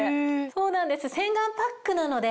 そうなんです。